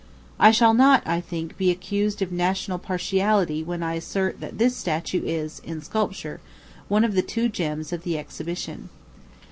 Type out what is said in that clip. I shall not, I think, be accused of national partiality when I assert that this statue is, in sculpture, one of the two gems of the exhibition.